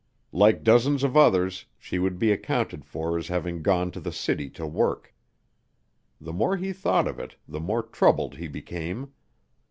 Like dozens of others, she would be accounted for as having gone to the city to work. The more he thought of it, the more troubled he became.